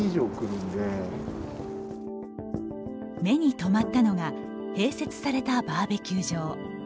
目に留まったのが併設されたバーベキュー場。